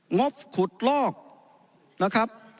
งบขุดลอกนะครับ